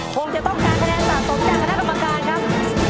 คงจะต้องการคะแนนสะสมจากคณะกรรมการครับ